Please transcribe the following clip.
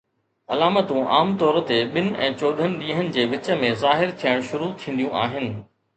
علامتون عام طور تي ٻن ۽ چوڏهن ڏينهن جي وچ ۾ ظاهر ٿيڻ شروع ٿينديون آهن